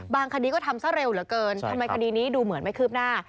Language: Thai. คดีก็ทำซะเร็วเหลือเกินทำไมคดีนี้ดูเหมือนไม่คืบหน้า